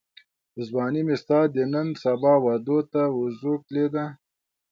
ځواني مي ستا د نن سبا وعدو ته وزوکلېده